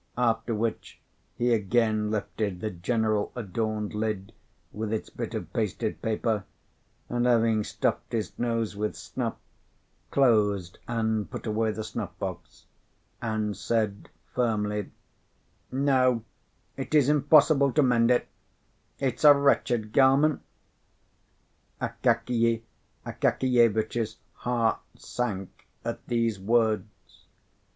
After which he again lifted the general adorned lid with its bit of pasted paper, and having stuffed his nose with snuff, closed and put away the snuff box, and said finally, "No, it is impossible to mend it; it's a wretched garment!" Akakiy Akakievitch's heart sank at these words.